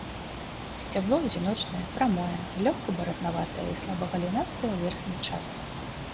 Сцябло адзіночнае, прамое, злёгку баразнаватае і слаба галінастае ў верхняй частцы.